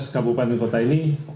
kabupaten kota ini